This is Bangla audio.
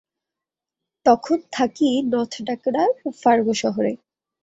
তখন থাকি নর্থ ডেকোটার ফার্গো শহরে।